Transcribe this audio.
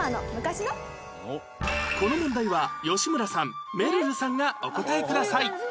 この問題は吉村さんめるるさんがお答えください